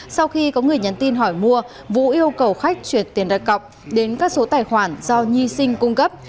sau khi có người nhắn tin hỏi mua vũ yêu cầu khách chuyển tiền đặt cọc đến các số tài khoản do nhi sinh cung cấp